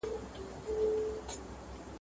سرګردان د بل په لاس لکه مېچن یو ..